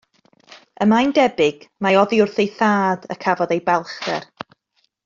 Y mae'n debyg mai oddi wrth ei thad y cafodd ei balchder.